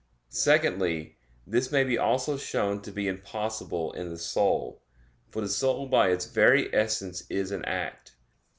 Secondly, this may be also shown to be impossible in the soul. For the soul by its very essence is an act.